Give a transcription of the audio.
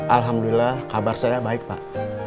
alhamdulillah kabar saya baik pak